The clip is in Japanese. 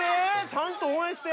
ちゃんと応援して。